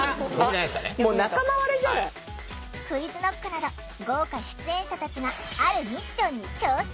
ＱｕｉｚＫｎｏｃｋなど豪華出演者たちがあるミッションに挑戦！